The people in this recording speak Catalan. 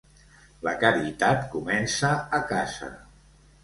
La caritat comença a casa